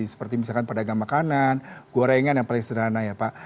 seperti misalkan pedagang makanan gorengan yang paling sederhana ya pak